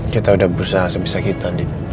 kita sudah berusaha sebisa kita